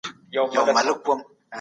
فردي ملکیت د انسان له فطري غریزو څخه دی.